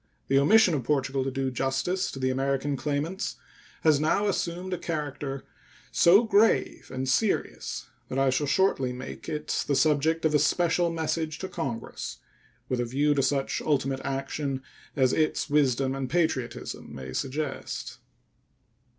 The omission of Portugal to do justice to the American claimants has now assumed a character so grave and serious that I shall shortly make it the subject of a special message to Congress, with a view to such ultimate action as its wisdom and patriotism may suggest.